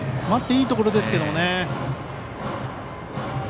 待っていいところですけが。